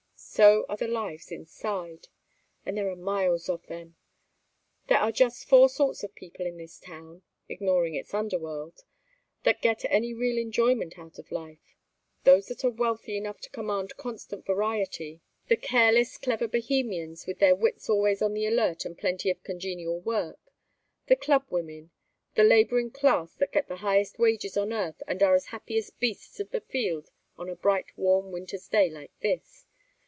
So are the lives inside. And there are miles of them. There are just four sorts of people in this town ignoring its underworld that get any real enjoyment out of life: those that are wealthy enough to command constant variety; the careless clever Bohemians with their wits always on the alert and plenty of congenial work; the club women; the laboring class, that get the highest wages on earth and are as happy as beasts of the field on a bright warm winter's day like this.